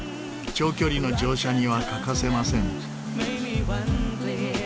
長距離の乗車には欠かせません。